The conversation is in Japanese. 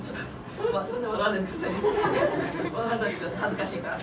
恥ずかしいから。